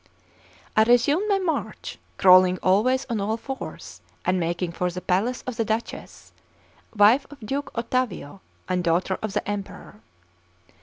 I resumed my march, crawling always on all fours, and making for the palace of the Duchess, wife of Duke Ottavio and daughter of the Emperor.